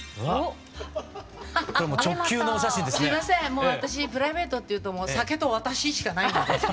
もう私プライベートっていうと酒と私しかないので。